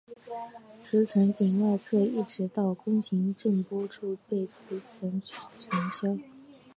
磁层顶外侧一直到弓形震波处被称磁层鞘。